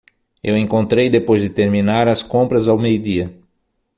Eu encontrei depois de terminar as compras ao meio-dia.